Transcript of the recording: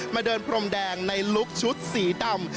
เดินพรมแดงในลุคชุดสีดำ